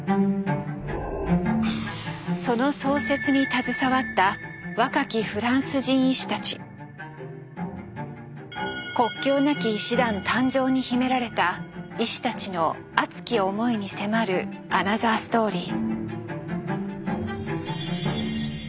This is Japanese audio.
その創設に携わった国境なき医師団誕生に秘められた医師たちの熱き思いに迫るアナザーストーリー。